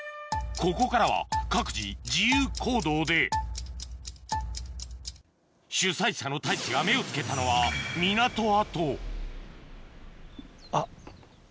ここからは各自自由行動で主催者の太一が目を付けたのはうわ。